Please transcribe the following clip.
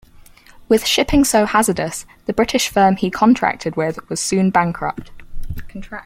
With shipping so hazardous, the British firm he contracted with was soon bankrupt.